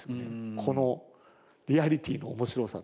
このリアリティーの面白さというか。